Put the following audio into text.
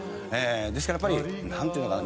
ですからやっぱりなんていうのかな